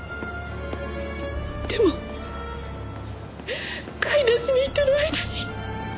でも買い出しに行ってる間に。